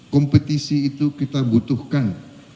kompetisi itu kita butuhkan